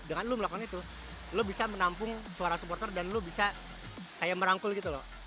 dengan lo melakukan itu lo bisa menampung suara supporter dan lo bisa kayak merangkul gitu loh